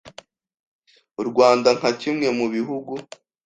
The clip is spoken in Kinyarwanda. U Rwanda nka kimwe mu bihugu